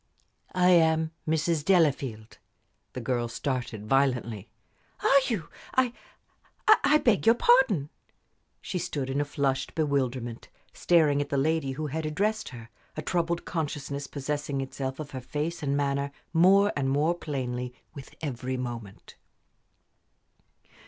"I am Mrs. Delafield." The girl started violently. "Are you? I I beg your pardon!" She stood in a flushed bewilderment, staring at the lady who had addressed her, a troubled consciousness possessing itself of her face and manner more and more plainly with every moment.